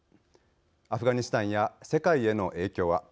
アフガニスタンや世界への影響は。